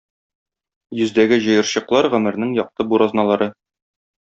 Йөздәге җыерчыклар гомернең якты буразналары.